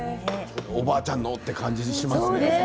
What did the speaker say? おばあちゃんのっていう感じがしますね。